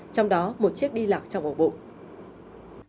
trong đó một chiếc đi lạc trong ổ bụng